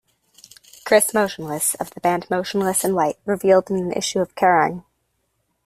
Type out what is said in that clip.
Chris Motionless, of the band Motionless in White, revealed in an issue of Kerrang!